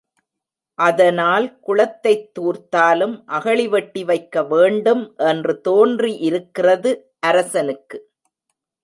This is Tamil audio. அதனால் குளத்தைத் தூர்த்தாலும் அகழி வெட்டி வைக்கவேண்டும் என்று தோன்றியிருக்கிறது அரசனுக்கு.